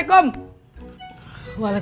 ibuk untukmbola shiny beach